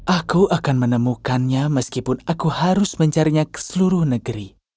aku akan menemukannya meskipun aku harus mencarinya ke seluruh negeri